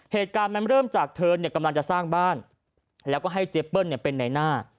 เหตุการณ์มันเริ่มจากเธอกำลังจะสร้างบ้านแล้วก็ให้เจเปิ้ลเป็นในหน้า